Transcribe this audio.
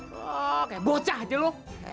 kayak bocah aja lu